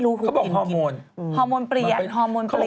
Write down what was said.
แล้วอย่างนั้นคือ